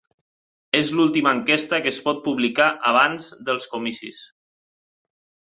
És l'última enquesta que es pot publicar abans dels comicis